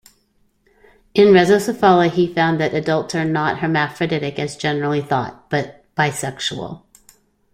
In rhizocephala, he found that adults are not hermaphroditic as generally thought, but bisexual.